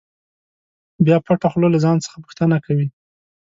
بیا پټه خوله له ځان څخه پوښتنه کوي.